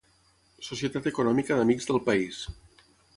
Societat Econòmica d’Amics del País.